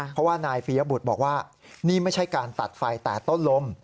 เพราะว่านายปียบุตรบอกว่านี่ไม่ใช่การตัดไฟแต่ต้นลม